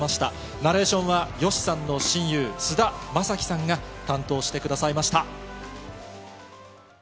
ナレーションはＹＯＳＨＩさんの親友、菅田将暉さんが担当してくださいました。